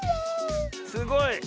すごい。